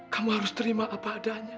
kamu harus terima apa adanya